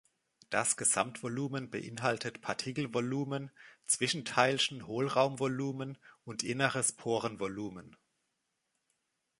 Das Gesamtvolumen beinhaltet Partikelvolumen, Zwischenteilchen-Hohlraumvolumen und inneres Porenvolumen.